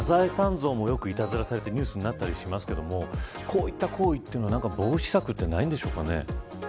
像もいたずらされてニュースになりますがこういった行為の防止策はないんでしょうか。